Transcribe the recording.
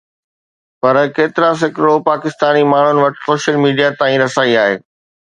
پر ڪيترا سيڪڙو پاڪستاني ماڻهن وٽ سوشل ميڊيا تائين رسائي آهي؟